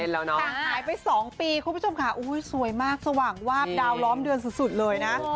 แต่หายไป๒ปีคุณผู้ชมค่ะสวยมากสว่างวาบดาวล้อมเดือนสุดเลยนะ